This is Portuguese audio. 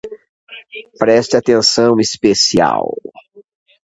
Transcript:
Preste atenção especial